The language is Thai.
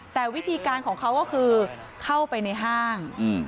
แต่วิธีการของเขาก็คือเข้าไปในห้าง